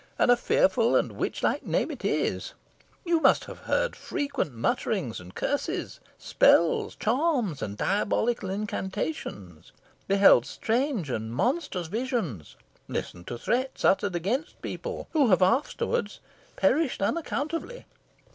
and a fearful and witch like name it is; you must have heard frequent mutterings and curses, spells, charms, and diabolical incantations beheld strange and monstrous visions listened to threats uttered against people who have afterwards perished unaccountably."